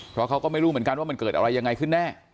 เพราะเขาก็ไม่รู้เหมือนกันว่ามันเกิดอะไรยังไงขึ้นแน่